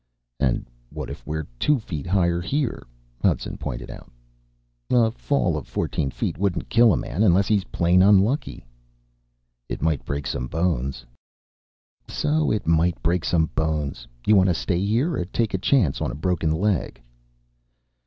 "And what if we're two feet higher here?" Hudson pointed out. "A fall of fourteen feet wouldn't kill a man unless he's plain unlucky." "It might break some bones." "So it might break some bones. You want to stay here or take a chance on a broken leg?"